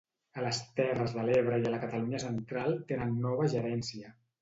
A les Terres de l'Ebre i a la Catalunya Central tenen nova gerència.